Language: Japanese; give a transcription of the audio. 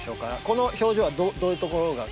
この表情はどういうところが。